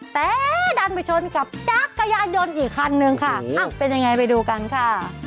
แต่ดันไปชนกับจักรยานยนต์อีกคันนึงค่ะอ้าวเป็นยังไงไปดูกันค่ะ